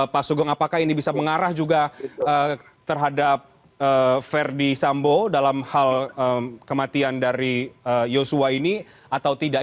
pak sugeng apakah ini bisa mengarah juga terhadap verdi sambo dalam hal kematian dari yosua ini atau tidak